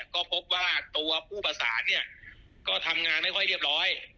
ก็พบว่าตัวผู้ประสานเนี่ยก็ทำงานไม่ค่อยเรียบร้อย